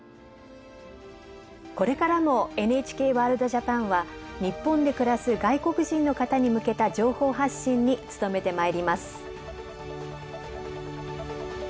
これからも「ＮＨＫワールドＪＡＰＡＮ」は日本で暮らす外国人の方に向けた情報発信に努めてまいります。